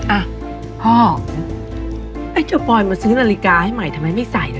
อ่ะพ่อให้เจ้าปอยมาซื้อนาฬิกาให้ใหม่ทำไมไม่ใส่นะ